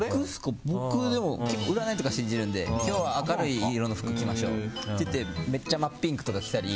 僕、でも結構占いとか信じるんで今日は明るい色の服着ましょうでめっちゃ真っピンクとか着たり。